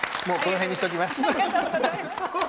この辺にしときます。